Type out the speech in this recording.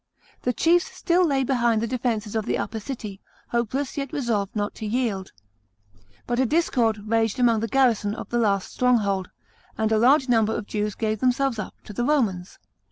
The chiefs still lay behind the defences of the upper city, hopeless, yet resolved not to yield. But discord raged among the garrison of the; last stronghold, and a large number of Jews gave themselves up to the Romans.